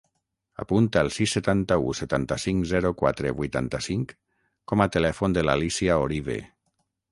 Apunta el sis, setanta-u, setanta-cinc, zero, quatre, vuitanta-cinc com a telèfon de l'Alícia Orive.